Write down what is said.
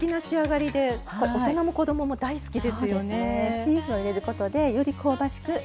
チーズを入れることでより香ばしくなります。